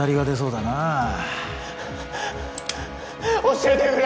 教えてくれ！